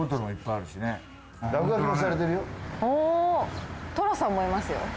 あっ寅さんもいますよ。